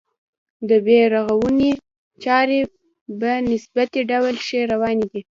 د بیا رغونې چارې په نسبي ډول ښې روانې دي.